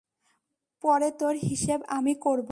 পরে তোর হিসেব আমি করব।